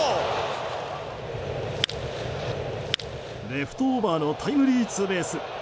レフトオーバーのタイムリーツーベース。